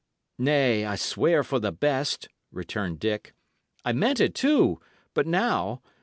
"Nay, I sware for the best," returned Dick. "I meant it too; but now!